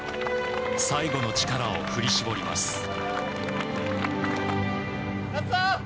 最後の力を振り絞ります。